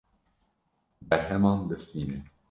Berheman bistîne.